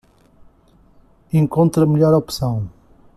Encontre a melhor opção